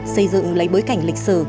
xây dựng lấy bối cảnh lịch sử